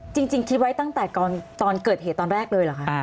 จริงคิดไว้ตั้งแต่ตอนเกิดเหตุตอนแรกเลยเหรอคะ